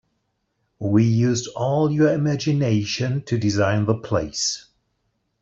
We used all your imgination to design the place.